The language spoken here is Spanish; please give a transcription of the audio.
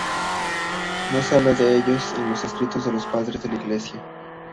No se habla de ella en los escritos de los padres de la Iglesia.